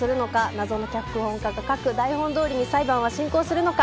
謎の脚本家が書く台本通りに裁判は進行するのか？